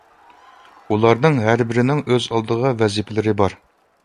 ئۇلارنىڭ ھەربىرىنىڭ ئۆز ئالدىغا ۋەزىپىلىرى بار.